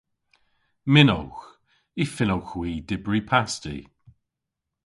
Mynnowgh. Y fynnowgh hwi dybri pasti.